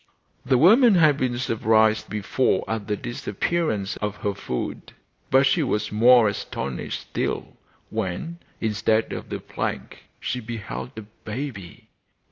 The woman had been surprised before at the disappearance of her food, but she was more astonished still when, instead of the plank, she beheld a baby.